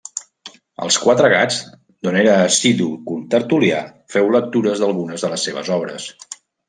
Als Quatre Gats, d'on era assidu contertulià, féu lectures d'algunes de les seves obres.